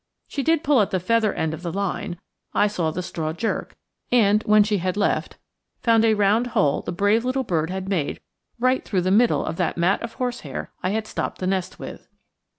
She did pull at the feather end of the line; I saw the straw jerk, and, when she had left, found a round hole the brave little bird had made right through the middle of the mat of horsehair I had stopped the nest with.